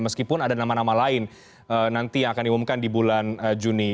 meskipun ada nama nama lain nanti yang akan diumumkan di bulan juni